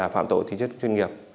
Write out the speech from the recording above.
phạm tội tính chất chuyên nghiệp